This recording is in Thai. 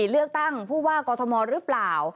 เลือกตั้งผู้ว่ากอทมหรือเปล่า